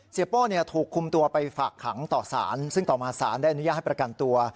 โป้ถูกคุมตัวไปฝากขังต่อสารซึ่งต่อมาศาลได้อนุญาตให้ประกันตัว